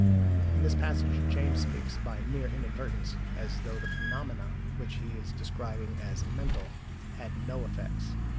In this passage James speaks, by mere inadvertence, as though the phenomena which he is describing as "mental" had NO effects.